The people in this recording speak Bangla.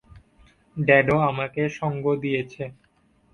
ড্যাডো আমাকে সঙ্গ দিয়েছে।